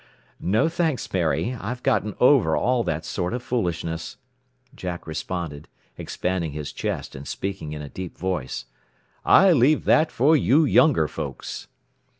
"No thanks, Mary. I've gotten over all that sort of foolishness," Jack responded, expanding his chest and speaking in a deep voice. "I leave that for you younger folks."